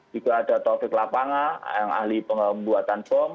juga ada taufik lapangan yang ahli pembuatan bom